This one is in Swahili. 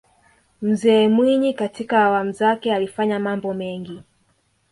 mzee mwinyi katika awamu zake alifanya mambo mengi